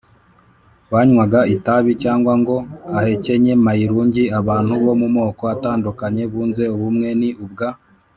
wanywaga itabi cyangwa ngo ahekenye mayirungi Abantu bo mu moko atandukanye bunze ubumwe Ni ubwa